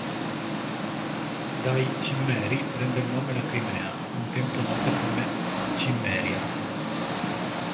Dai Cimmeri prende il nome la Crimea, un tempo nota come Cimmeria.